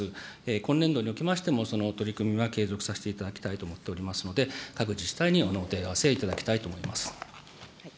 今年度におきましても、その取り組みは継続させていただきたいと思っておりますので、各自治体にお問い合わせいただきたいと思います。